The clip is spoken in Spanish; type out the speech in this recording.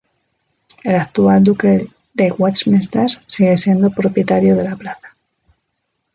El actual Duque de Westminster sigue siendo propietario de la plaza.